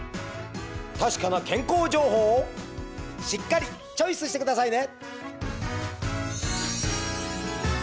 確かな健康情報をしっかりチョイスしてくださいね！